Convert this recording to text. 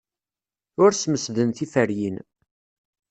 Ur smesden tiferyin.